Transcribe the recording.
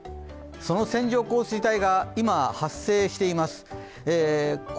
その線状降水帯が今、発生しています。